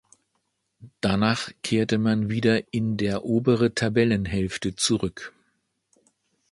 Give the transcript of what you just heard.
Danach kehrte man wieder in der obere Tabellenhälfte zurück.